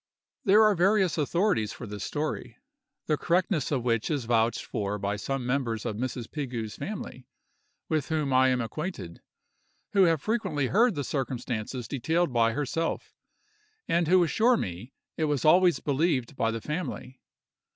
There are various authorities for this story, the correctness of which is vouched for by some members of Mrs. Pigou's family, with whom I am acquainted, who have frequently heard the circumstances detailed by herself, and who assure me it was always believed by the family.